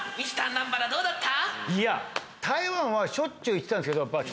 南原どうだった？